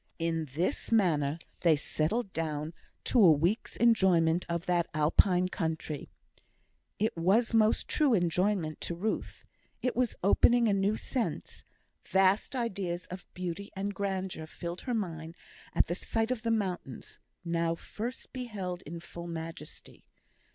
In this manner they settled down to a week's enjoyment of that Alpine country. It was most true enjoyment to Ruth. It was opening a new sense; vast ideas of beauty and grandeur filled her mind at the sight of the mountains now first beheld in full majesty.